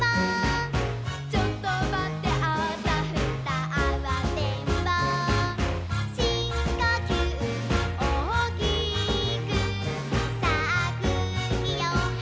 「ちょっとまってあたふたあわてんぼう」「しんこきゅうおおきくさあくうきをはいてすって」